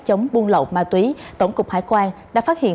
chống buôn lậu ma túy tổng cục hải quan đã phát hiện